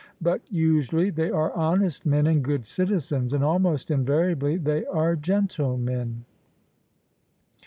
But usually they are honest men and good citizens : and almost invariably they are gentlemen.